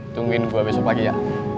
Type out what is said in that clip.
tungguin buat besok pagi ya